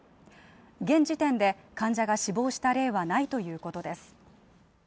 現時点で患者が死亡した例はないということです。